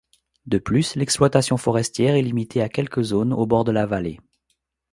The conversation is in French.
De plus, l'exploitation forestière est limitée à quelques zones au bord de la vallée.